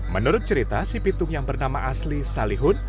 menurut cerita si pitung yang bernama asli salihun